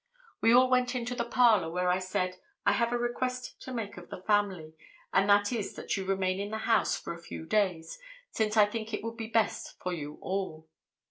"We all went into the parlor where I said, 'I have a request to make of the family, and that is that you remain in the house for a few days, since I think it would be best for you all.